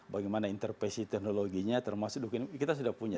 bagaimana intervensi teknologinya termasuk kita sudah punya